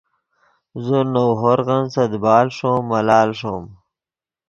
زو نؤ ہورغن سے دیبال ݰوم ملال ݰوم